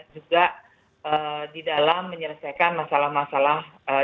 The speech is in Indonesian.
juga di dalam menyelesaikan masalah masalah yang ada di dalam negara kita